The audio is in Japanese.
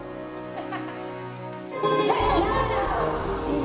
アハハハ。